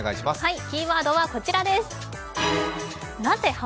キーワードはこちらです。